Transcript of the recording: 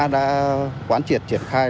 đã quán triệt triển khai